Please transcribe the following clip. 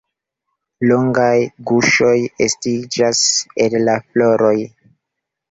Longaj guŝoj estiĝas el la floroj.